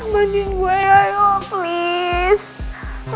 bantuin gue ya yuk please